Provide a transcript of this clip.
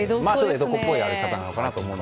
江戸っ子っぽい歩き方かなと。